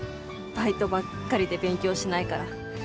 バイトばっかりで勉強しないから。